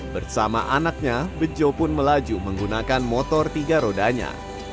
bersama anaknya bejo pun melaju menggunakan motor tiga rodanya